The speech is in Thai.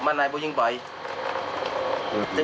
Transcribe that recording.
มันให้พวกผู้หญิงสติ